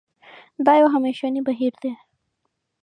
دا یو همېشنی بهیر دی.